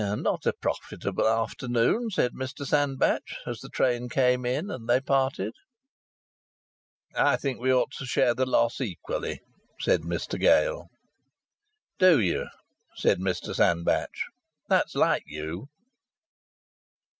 "Not a profitable afternoon," said Mr Sandbach, as the train came in and they parted. "I think we ought to share the loss equally," said Mr Gale. "Do you?" said Mr Sandbach. "That's like you."